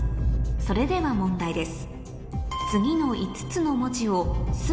それでは問題です